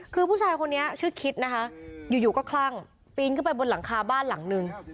คือผู้ชายคนนี้ชื่อคิดนะคะอยู่ก็คลั่งปีนขึ้นไปบนหลังคาบ้านหลังนึง